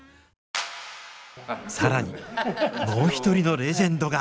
更にもう一人のレジェンドが。